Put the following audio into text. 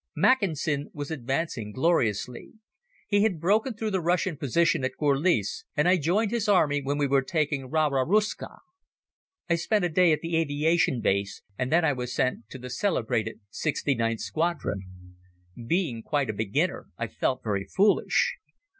Mackensen was advancing gloriously. He had broken through the Russian position at Gorlice and I joined his army when we were taking Rawa Ruska. I spent a day at the aviation base and then I was sent to the celebrated 69th Squadron. Being quite a beginner I felt very foolish.